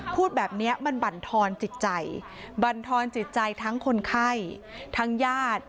พูดแบบนี้มันบรรทอนจิตใจบรรทอนจิตใจทั้งคนไข้ทั้งญาติ